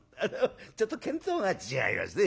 ちょっと見当が違いますね。